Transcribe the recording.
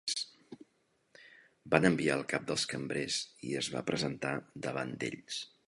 Van enviar el cap dels cambrers i es va presentar davant d'ells.